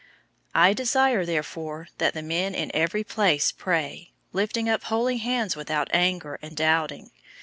002:008 I desire therefore that the men in every place pray, lifting up holy hands without anger and doubting.